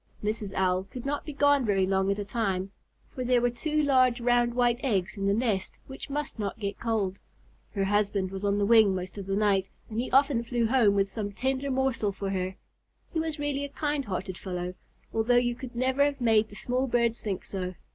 Mrs. Owl could not be gone very long at a time, for there were two large round white eggs in the nest which must not get cold. Her husband was on the wing most of the night, and he often flew home with some tender morsel for her. He was really a kind hearted fellow, although you could never have made the small birds think so.